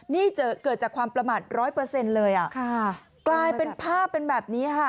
นี่เกิดจากความประมาทร้อยเปอร์เซ็นต์เลยอ่ะค่ะกลายเป็นภาพเป็นแบบนี้ค่ะ